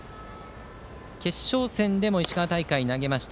決勝戦でも石川大会で投げました。